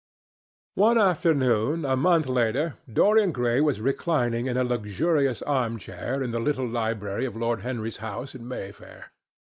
One afternoon, a month later, Dorian Gray was reclining in a luxurious arm chair, in the little library of Lord Henry's house in Mayfair.